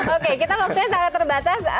oke kita waktunya sangat terbatas